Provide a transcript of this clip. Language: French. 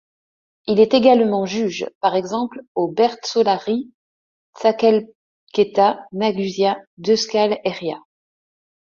Il est également juge, par exemple au Bertsolari Txapelketa Nagusia d'Euskal Herria.